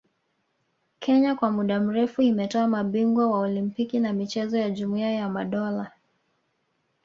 Kenya kwa muda mrefu imetoa mabingwa wa Olimpiki na michezo ya Jumuia ya Madola